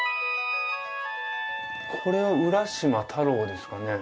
これは浦島太郎ですかね？